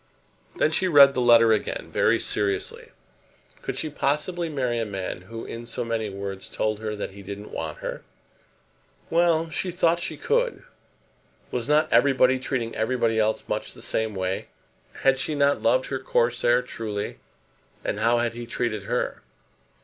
Then she read the letter again very seriously. Could she possibly marry a man who in so many words told her that he didn't want her? Well; she thought she could. Was not everybody treating everybody else much in the same way? Had she not loved her Corsair truly, and how had he treated her?